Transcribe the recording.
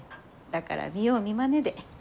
だから見よう見まねで。